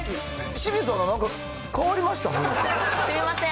清水アナ、すみません。